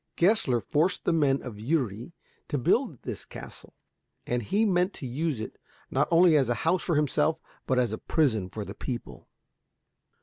Gessler forced the men of Uri to build this castle, and he meant to use it not only as a house for himself, but as a prison for the people.